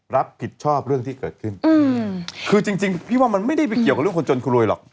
รับผิดชอบเรื่องที่เกิดขึ้นคือจริงพี่ว่ามันไม่ได้ไปเกี่ยวกับเรื่องคนจนคุณรวยหรอก